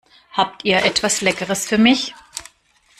Habt ihr etwas Leckeres für mich?